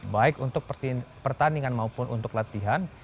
baik untuk pertandingan maupun untuk latihan